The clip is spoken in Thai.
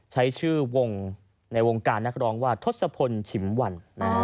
ใช้ชื่อวงในวงการนักร้องว่าทศพลฉิมวัน